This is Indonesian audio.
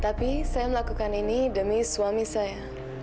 tapi saya melakukan ini demi suami saya